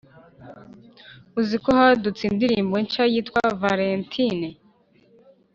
uziko hadutse indirimbo nshya yitwa valentine